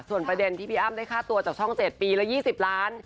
ส่วนประเด็นที่พี่อ้ำได้ค่าตัวจากช่อง๗ปีละ๒๐ล้าน